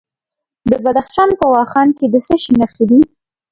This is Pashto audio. د بدخشان په واخان کې د څه شي نښې دي؟